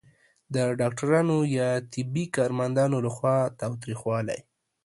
د ډاکټرانو یا طبي کارمندانو لخوا تاوتریخوالی